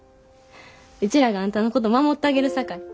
うちらがあんたのこと守ったげるさかい。